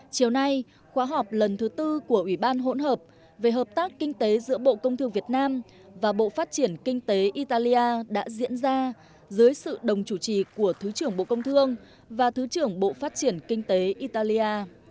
chiều nay khóa học lần thứ tư của ủy ban hỗn hợp về hợp tác kinh tế giữa bộ công thương việt nam và bộ phát triển kinh tế italia đã diễn ra dưới sự đồng chủ trì của thứ trưởng bộ công thương và thứ trưởng bộ phát triển kinh tế italia